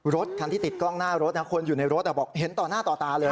รถคันที่ติดกล้องหน้ารถคนอยู่ในรถบอกเห็นต่อหน้าต่อตาเลย